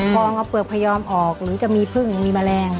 พองเอาเปลือกพยอมออกหรือจะมีพึ่งมีแมลง